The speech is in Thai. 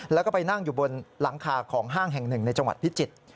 แล้วก็ไปนั่งอยู่บนหลังคาของห้างแห่งหนึ่งในจังหวัดพิจิตร